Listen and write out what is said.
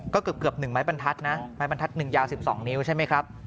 ก็เกือบ๑ไม้บรรทัศน์นะไม้บรรทัศ๑ยาว๑๒นิ้วใช่ไหมครับ